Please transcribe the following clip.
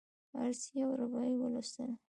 فارسي یوه رباعي ولوستله.